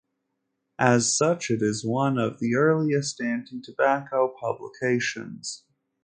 As such, it is one of the earliest anti-tobacco publications.